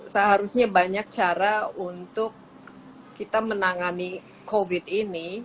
seharusnya banyak cara untuk kita menangani covid ini